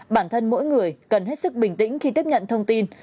bản thân mỗi người cần hết sức bình tĩnh khi tiếp nhận thông tin